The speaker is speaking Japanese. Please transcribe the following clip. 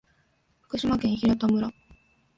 福島県平田村